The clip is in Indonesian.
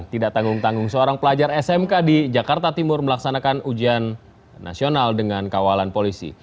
tidak tanggung tanggung seorang pelajar smk di jakarta timur melaksanakan ujian nasional dengan kawalan polisi